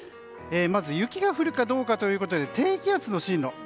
まず雪が降るかどうかということで低気圧の進路。